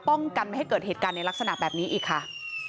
ป้องกันไม่ให้เกิดเหตุการณ์ในลักษณะแบบนี้อีกค่ะ